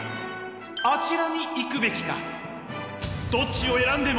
あちらに行くべきか？